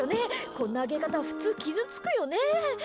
こんなあげ方、普通傷つくよね。